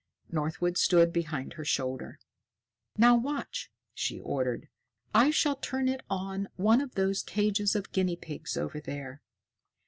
Northwood stood behind her shoulder. "Now watch!" she ordered. "I shall turn it on one of those cages of guinea pigs over there."